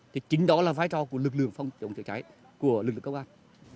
thì chính đó là vai trò của lực lượng phong trọng chữa cháy của lực lực công an